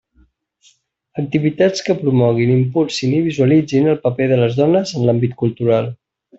Activitats que promoguin, impulsin i visualitzin el paper de les dones en l'àmbit cultural.